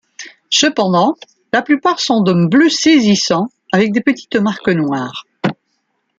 Cependant, la plupart sont d'un bleu saisissant, avec de petites marques noires.